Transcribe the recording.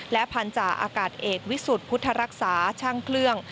และพันธาอากาศเอกวิสุทธิ์พุทธรักษาช่างเครื่อง